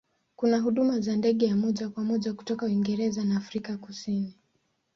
Kuna huduma za ndege ya moja kwa moja kutoka Uingereza na Afrika ya Kusini.